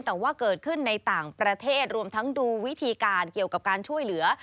แต่ว่าเกิดขึ้นในต่างประเทศรวมทั้งดูวิธีการเกี่ยวกับการช่วยเหลือ